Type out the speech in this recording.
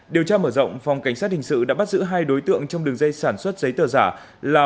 điều tra mở rộng phòng cảnh sát hình sự đã bắt giữ hai đối tượng trong đường dây sản xuất giấy tờ giả là